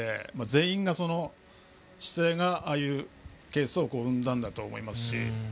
全員の姿勢がああいうケースを生んだんだと思います。